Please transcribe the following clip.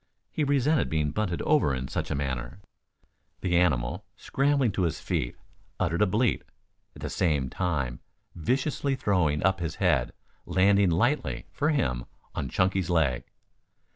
He resented being bunted over in any such manner. The animal, scrambling to his feet, uttered a bleat, at the same time viciously throwing up his head, landing lightly, for him, on Chunky's leg.